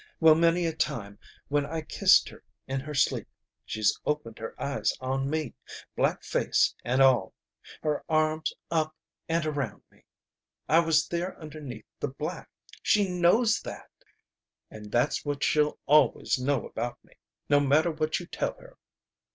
Well, many a time when I kissed her in her sleep she's opened her eyes on me black face and all. Her arms up and around me. I was there underneath the black! She knows that! And that's what she'll always know about me, no matter what you tell her.